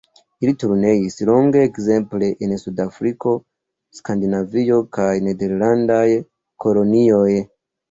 Ili turneis longe ekzemple en Sudafriko, Skandinavio kaj nederlandaj kolonioj.